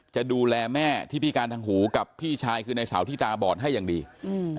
จะดูแลแม่ที่พิการทางหูกับพี่ชายคือในสาวที่ตาบอดให้อย่างดีอืม